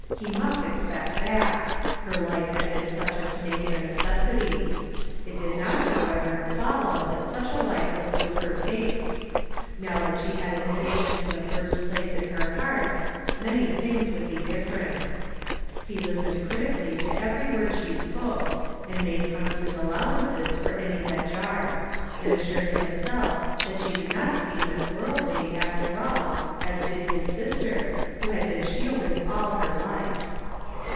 He must expect that; her life liad been such as to make it a necessity. It did not, how ever, follow that such a life was to lier taste. Now that she had admitted him to the first place ♦*THEV HAVE TAUGHT THEIR TONGUE." 199 ley liiul in her heart, many thiiitrs would be different. He listened critically to every word she spoke, and maae constant allowances for any that jarred ; and assured himself that she did not seom as worldly, after all, as did his sister, who had been shielded all her life.